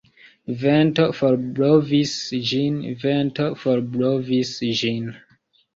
Vento forblovis ĝin, Vento forblovis ĝin.